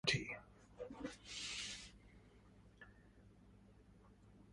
It is the county seat of Box Butte County.